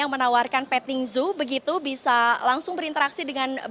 yang menawarkan petting zoo begitu bisa langsung berinteraksi dengan